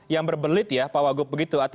yang berbelit ya pak wagub begitu